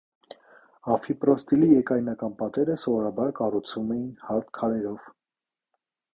Ամֆիպրոստիլի երկայնական պատերը սովորաբար կառուցվում էին հարթ քարերով։